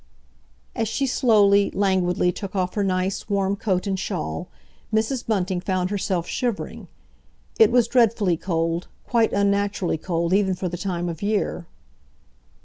As she slowly, languidly took off her nice, warm coat and shawl, Mrs. Bunting found herself shivering. It was dreadfully cold, quite unnaturally cold even for the time of year.